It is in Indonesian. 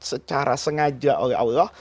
secara sengaja oleh allah